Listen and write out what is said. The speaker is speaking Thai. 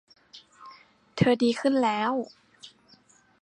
เธอดีขึ้นแล้ว